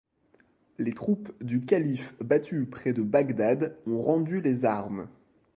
Les troupes du Calife battues près de Bagdad ont rendu les armes.